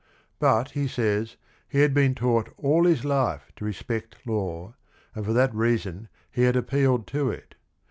But, he says, he had been taught all his life to respect law, and for that reason he had appealed to it.